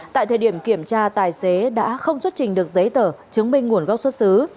tại thời điểm kiểm tra tài xế đã không xuất trình được giấy tờ chứng minh nguồn gốc xuất xứ